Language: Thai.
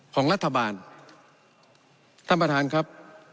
ของรัฐบาลท่านประธานครับ